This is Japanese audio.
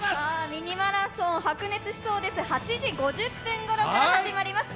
「ミニマラソン」白熱しそうです、８時５０分ごろからです。